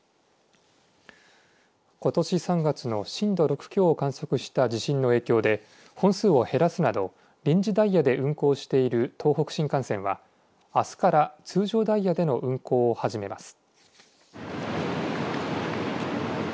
ことし３月の震度６強を観測した地震の影響で本数を減らすなど臨時ダイヤで運行している東北新幹線はあすから通常ダイヤでの運行を始めます。